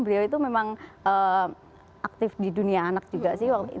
beliau itu memang aktif di dunia anak juga sih